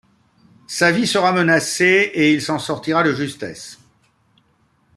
Sa vie sera menacée et il s'en sortira de justesse.